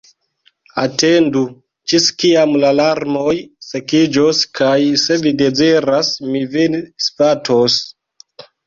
Atendu, ĝis kiam la larmoj sekiĝos, kaj, se vi deziras, mi vin svatos.